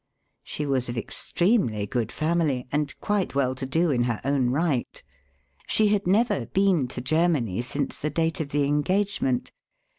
She was of extremely good family, and quite well to do in her own right. She had never been to Germany since the date of the engagement.